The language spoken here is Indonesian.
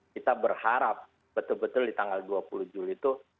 kita berharap betul betul di tanggal dua puluh juli itu